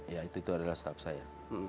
ya itu adalah staff saya